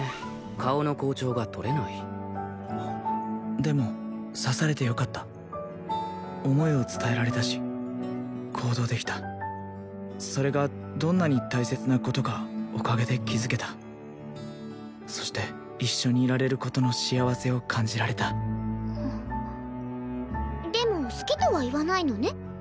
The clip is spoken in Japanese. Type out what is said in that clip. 顔の紅潮が取れないでも刺されてよかった思いを伝えられたし行動できたそれがどんなに大切なことかおかげで気づけたそして一緒にいられることの幸せを感じられたでも好きとは言わないのね